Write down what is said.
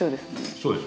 そうです。